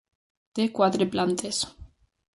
Té quatre plantes.